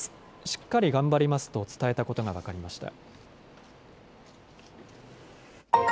しっかり頑張りますと伝えたことが分かりました。